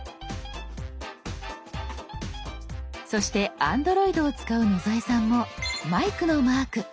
そしてＡｎｄｒｏｉｄを使う野添さんもマイクのマーク。